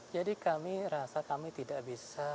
jadi kami rasa kami tidak bisa